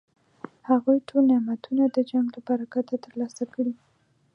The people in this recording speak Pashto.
هغوی ټول نعمتونه د جنګ له برکته ترلاسه کړي.